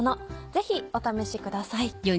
ぜひお試しください。